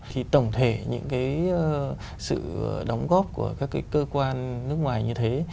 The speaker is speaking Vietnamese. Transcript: thì tổng thể những cái sự đóng góp của các cái cơ quan nước ngoài như thế